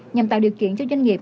nhằm tạo điều kiện cho doanh nghiệp